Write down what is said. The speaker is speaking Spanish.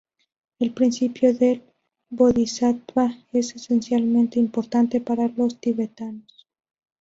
El principio del bodhisattva es esencialmente importante para los tibetanos.